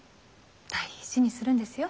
大事にするんですよ。